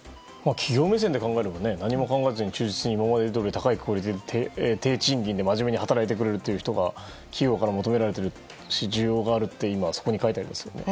企業目線で考えれば何も考えずに忠実に今までどおり高いクオリティーで低賃金で、まじめに働いてくれる人が企業から求められているし需要があるとそこに書いてありますよね。